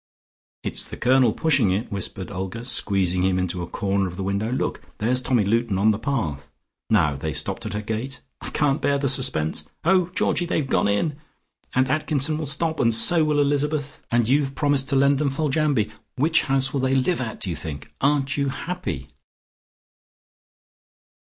"It's the Colonel pushing it," whispered Olga, squeezing him into a corner of the window. "Look! There's Tommy Luton on the path. Now they've stopped at her gate ... I can't bear the suspense.... Oh, Georgie, they've gone in! And Atkinson will stop, and so will Elizabeth, and you've promised to lend them Foljambe. Which house will they live at, do you think? Aren't you happy?"